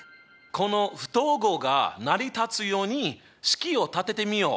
この不等号が成り立つように式を立ててみよう。